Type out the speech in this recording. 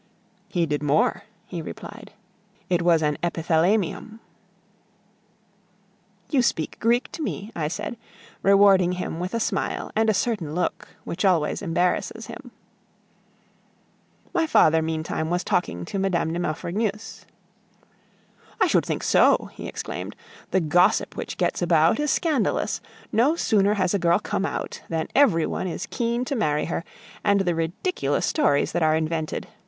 "He did more," he replied. "It was an epithalamium." "You speak Greek to me," I said, rewarding him with a smile and a certain look which always embarrasses him. My father meantime was talking to Mme. de Maufrigneuse. "I should think so!" he exclaimed. "The gossip which gets about is scandalous. No sooner has a girl come out than everyone is keen to marry her, and the ridiculous stories that are invented!